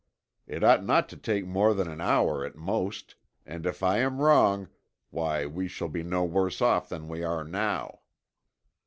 It ought not to take more than an hour at most, and if I am wrong, why we shall be no worse off than we are now."